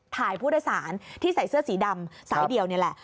ถ่ายผู้โดยสารที่ใส่เสื้อสีดำสายเดียวนี่แหละ